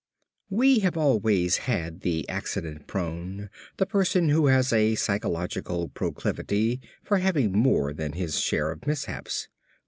"We have always had the accident prone, the person who has a psychological proclivity for having more than his share of mishaps.